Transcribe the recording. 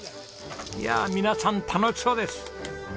いや皆さん楽しそうです！